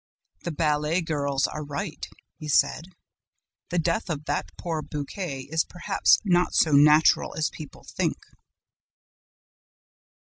"The ballet girls are right," he said. "The death of that poor Buquet is perhaps not so natural as people think."